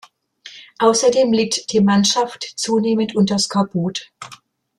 Außerdem litt die Mannschaft zunehmend unter Skorbut.